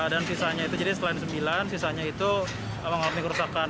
dan sisanya itu jadi selain sembilan sisanya itu mengalami kerusakan